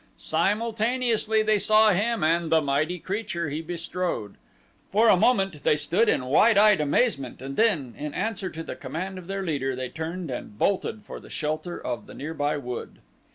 Simultaneously they saw him and the mighty creature he bestrode. For a moment they stood in wide eyed amazement and then, in answer to the command of their leader, they turned and bolted for the shelter of the nearby wood.